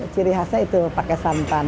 ciri khasnya itu pakai santan